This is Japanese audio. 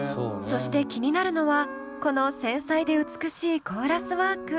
そして気になるのはこの繊細で美しいコーラスワーク。